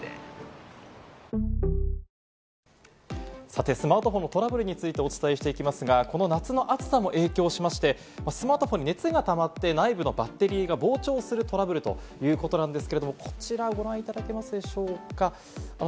さてスマートフォンのトラブルについてお伝えしていきますが、この夏の暑さも影響しまして、スマートフォンに熱がたまって内部のバッテリーが膨張するトラブルということなんですけれども、こちらご覧いただけますでしょうか。